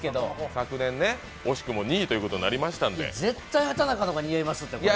昨年、惜しくも２位ということになりましたからね絶対畠中のが似合いますって。